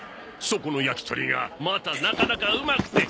そこの焼き鳥がまたなかなかうまくて。